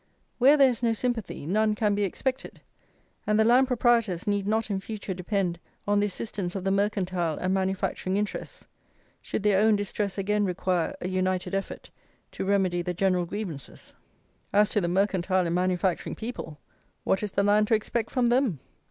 Where there is no sympathy, none can be expected, and the land proprietors need not in future depend on the assistance of the mercantile and manufacturing interests, should their own distress again require a united effort to remedy the general grievances." As to the mercantile and manufacturing people, what is the land to expect from them?